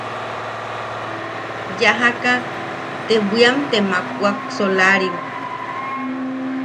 Yajaka te bwiam te makwak, solarim.